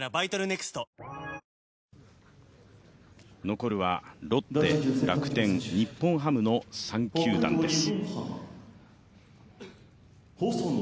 残るはロッテ、楽天、日本ハムの３球団です。